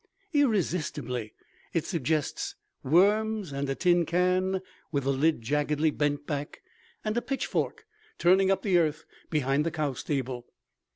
Irresistibly it suggests worms and a tin can with the lid jaggedly bent back and a pitchfork turning up the earth behind the cow stable.